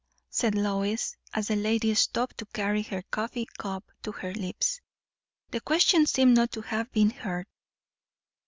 said Lois, as the lady stopped to carry her coffee cup to her lips. The question seemed not to have been heard.